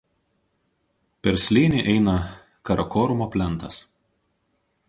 Per slėnį eina Karakorumo plentas.